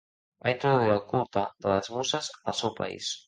Va introduir el culte de les Muses al seu país.